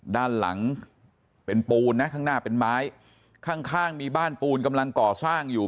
ด้านหลังเป็นปูนนะข้างหน้าเป็นไม้ข้างข้างมีบ้านปูนกำลังก่อสร้างอยู่